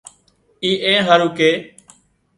اي اين هارو ڪي